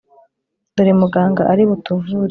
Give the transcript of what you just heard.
Dore Muganga ari butuvure